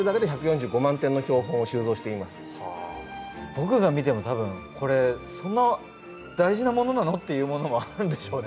僕が見ても多分これそんな大事なものなの？っていうものもあるんでしょうね